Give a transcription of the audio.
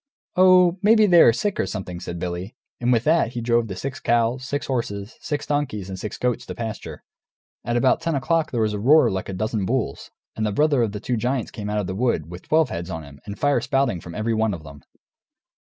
"Oh, maybe they are sick or something," says Billy; and with that he drove the six cows, six horses, six donkeys, and six goats to pasture. At about ten o'clock there was a roar like a dozen bulls, and the brother of the two giants came out of the wood, with twelve heads on him, and fire spouting from every one of them.